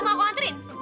mau aku anterin